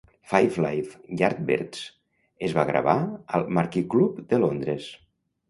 "Five Live Yardbirds" es va gravar al Marquee Club de Londres.